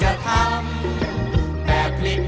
เพื่อพลังสะท้าของคนลูกทุก